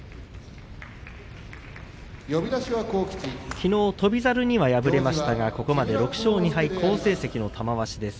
きのう翔猿には敗れましたがここまで６勝２敗好成績の玉鷲です。